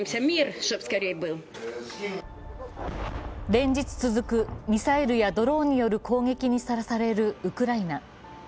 連日続くミサイルやドローンの攻撃にさらされるウクライナ。